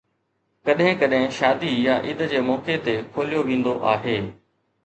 ڪڏهن ڪڏهن شادي يا عيد جي موقعي تي کوليو ويندو آهي.